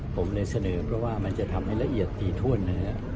ผมเลยเสนอเพราะว่ามันจะทำให้ละเอียดถี่ถ้วนนะฮะ